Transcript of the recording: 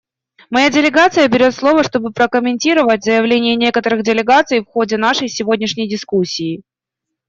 Моя делегация берет слово, чтобы прокомментировать заявления некоторых делегаций в ходе нашей сегодняшней дискуссии.